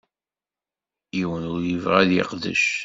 Yiwen ur yebɣi ad yeqdec.